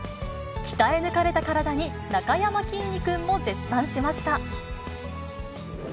鍛え抜かれた体に、なかやまきんに君も絶賛しました。